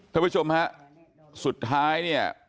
ท่านผู้ชมฮะสุดท้ายเนี่ย